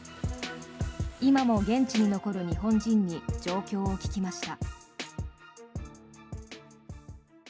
今も現地に残る日本人に状況を聞きました。